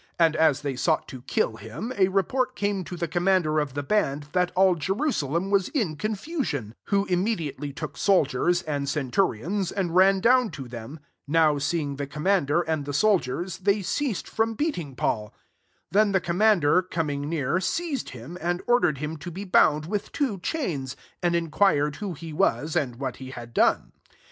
31 And as they sought to kill him, a report came to the commander of the band, that all Jerusalem was in confusion: 32 wha immediately took sol diers, and centurions, and ran down to them : now seeing the commander, and the soldiers^ they ceased from beating Paul 33 Then the commander com* ing near, seized him, and or dered him to be bound with two chains ; and inquired who he was, and what he h^d done.